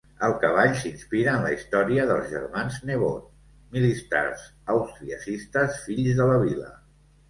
El cavall s'inspira en la història dels germans Nebot, militars austriacistes fills de la vila.